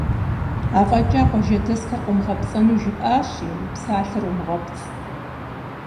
АфӀэкӀа къуажэдэсхэр къыумыгъэпцӀэну жыпӀащи, уи псалъэр умыгъэпцӀ!